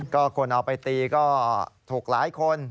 ก็คนเอาไปตีก็ถูกหลายคน